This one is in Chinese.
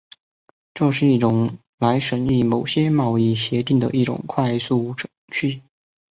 这是一种用来审议某些贸易协定的一种快速程序。